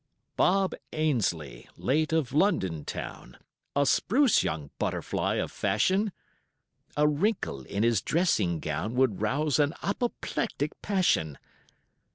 Bob Ainslie, late of London Town, A spruce young butterfly of fashion, A wrinkle in his dressing gown Would rouse an apoplectic passion.